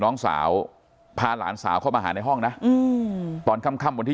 น้องสาวพาหลานสาวเข้ามาหาในห้องนะตอนค่ำวันที่